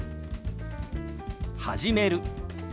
「始める」。